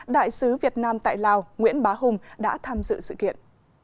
đại sứ việt nam tại lào nguyễn bá hùng đã tham dự sự kiện